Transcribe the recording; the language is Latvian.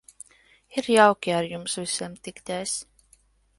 Ir jauki ar jums visiem tikties.